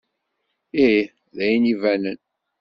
Ih, d ayen ibanen.